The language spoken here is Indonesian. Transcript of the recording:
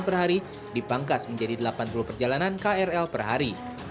perhari dipangkas menjadi delapan puluh perjalanan krl perhari